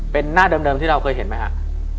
เป็นหน้าเดิมที่เราเคยเห็นไหมครับ